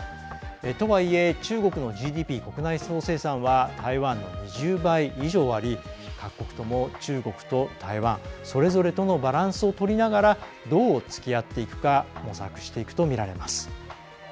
とはいえ、中国はＧＤＰ＝国内総生産は台湾の２０倍以上あり各国とも中国と台湾それぞれのバランスを取りながらどう、つきあっていくか模索していくとみられます。